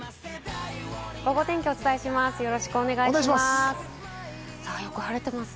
ゴゴ天気、お伝えします。